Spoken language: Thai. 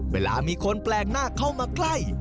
เวลามีคนแปลกหน้าเข้ามาใกล้